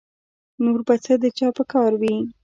نور به څه د چا په کار وي